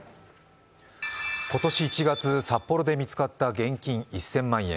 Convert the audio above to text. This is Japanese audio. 今年１月札幌で見つかった現金１０００万円。